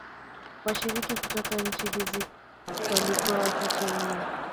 Washiriki kutoka nchi hizi walikuwa wachache mno.